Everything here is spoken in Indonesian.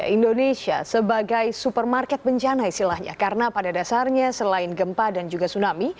indonesia sebagai supermarket bencana istilahnya karena pada dasarnya selain gempa dan juga tsunami